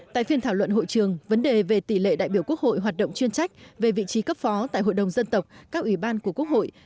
tại phiên thảo luận hội trường vấn đề về tỷ lệ đại biểu quốc hội hoạt động chuyên trách về vị trí cấp phó tại hội đồng dân tộc các ủy ban của quốc hội